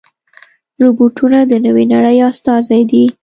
روبوټونه د نوې نړۍ استازي دي.